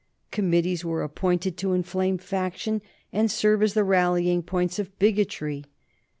Committees were appointed to inflame faction and serve as the rallying points of bigotry.